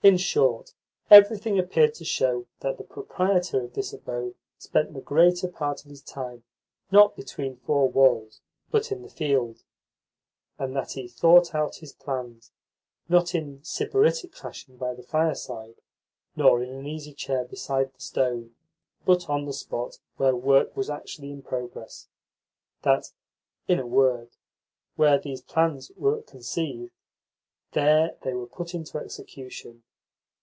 In short, everything appeared to show that the proprietor of this abode spent the greater part of his time, not between four walls, but in the field, and that he thought out his plans, not in sybaritic fashion by the fireside, nor in an easy chair beside the stove, but on the spot where work was actually in progress that, in a word, where those plans were conceived, there they were put into execution.